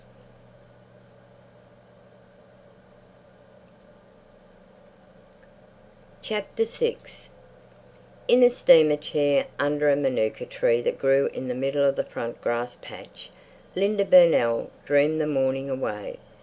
VI In a steamer chair, under a manuka tree that grew in the middle of the front grass patch, Linda Burnell dreamed the morning away.